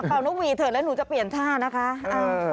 นกหวีเถอะแล้วหนูจะเปลี่ยนท่านะคะ